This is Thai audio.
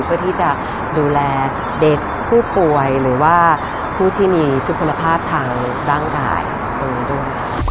เพื่อที่จะดูแลเด็กผู้ป่วยหรือว่าผู้ที่มีทุกคุณภาพทางร่างกายตรงนี้ด้วย